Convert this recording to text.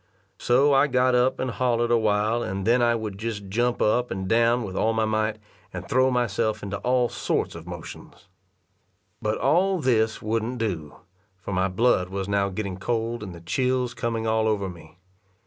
So I got up, and hollered a while, and then I would just jump up and down with all my might, and throw myself into all sorts of motions. But all this wouldn't do; for my blood was now getting cold, and the chills coming all over me.